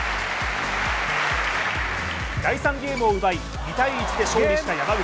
第３ゲームを奪い２−１で勝利した山口。